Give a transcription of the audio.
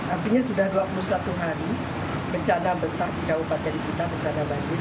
artinya sudah dua puluh satu hari bencana besar di kabupaten kita bencana banjir